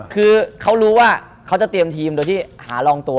คือเขารู้ว่าเขาจะเตรียมทีมโดยที่หารองตัว